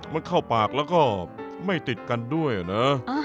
มันเข้าปากแล้วก็ไม่ติดกันด้วยนะ